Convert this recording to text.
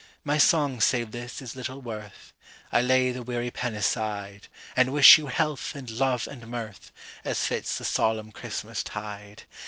My song, save this, is little worth;I lay the weary pen aside, And wish you health, and love, and mirth, As fits the solemn Christmas tide.